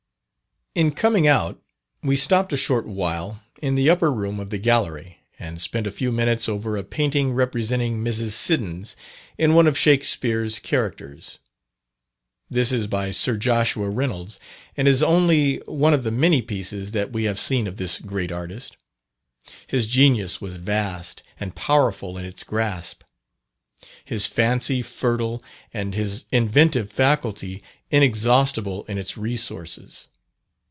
In coming out, we stopped a short while in the upper room of the Gallery, and spent a few minutes over a painting representing Mrs. Siddons in one of Shakspere's characters. This is by Sir Joshua Reynolds, and is only one of the many pieces that we have seen of this great artist. His genius was vast, and powerful in its grasp. His fancy fertile, and his inventive faculty inexhaustible in its resources.